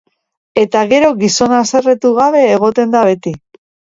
Eta gero gizona haserretu gabe egoten da beti.